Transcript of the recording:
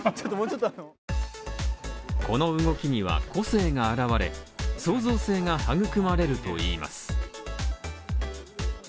この動きには個性が表れ、創造性が育まれるといいます。